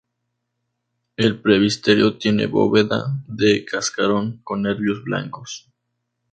El presbiterio tiene bóveda de cascarón con nervios blancos.